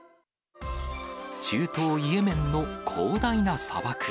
中東イエメンの広大な砂漠。